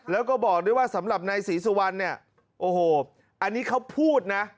แล้วก็บอกด้วยว่าสำหรับนายศรีสุวรรณเนี่ยโอ้โหอันนี้เขาพูดนะ